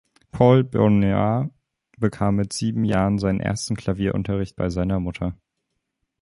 Paul Benoit bekam mit sieben Jahren seinen ersten Klavierunterricht bei seiner Mutter.